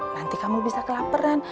nanti kamu bisa kelaparan